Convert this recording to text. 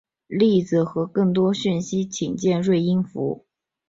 例子和更多的讯息请见锐音符。